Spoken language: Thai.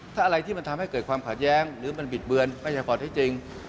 ถ้าอะไรที่มันทำให้เกิดความขัดแย้งหรือมันบิดเบือนไม่ใช่ข้อที่จริง